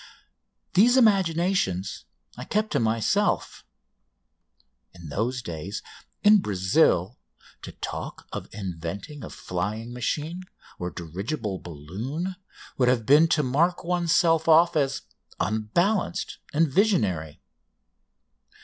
These imaginations I kept to myself. In those days, in Brazil, to talk of inventing a flying machine or dirigible balloon would have been to mark oneself off as unbalanced and visionary.